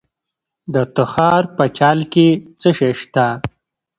د تخار په چال کې څه شی شته؟